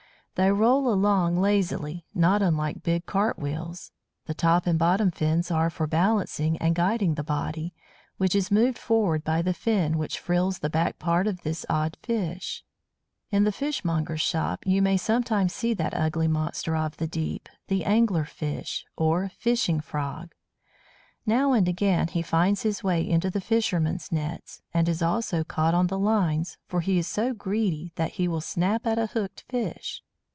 They roll along lazily, not unlike big cart wheels. The top and bottom fins are for balancing and guiding the body, which is moved forward by the fin which frills the back part of this odd fish. [Illustration: GLOBE FISH] In the fishmonger's shop you may sometimes see that ugly monster of the deep, the Angler fish, or Fishing frog. Now and again he finds his way into the fishermen's nets; and is also caught on the lines, for he is so greedy that he will snap at a hooked fish.